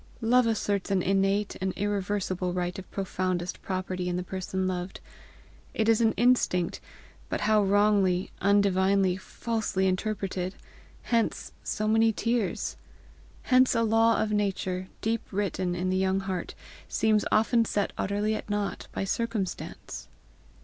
Love asserts an innate and irreversible right of profoundest property in the person loved. It is an instinct but how wrongly, undivinely, falsely interpreted! Hence so many tears! Hence a law of nature, deep written in the young heart, seems often set utterly at nought by circumstance!